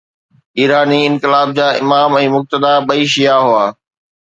ايراني انقلاب جا امام ۽ مقتدا ٻئي شيعه هئا.